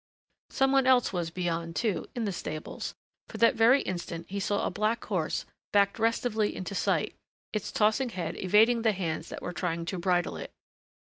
Some one else was beyond, too, in the stables, for that very instant he saw a black horse backed restively into sight, its tossing head evading the hands that were trying to bridle it.